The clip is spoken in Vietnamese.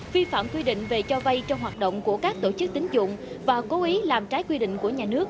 vi phạm quy định về cho vay trong hoạt động của các tổ chức tính dụng và cố ý làm trái quy định của nhà nước